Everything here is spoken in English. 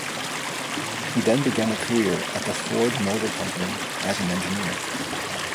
He then began a career at the Ford Motor Company as an engineer.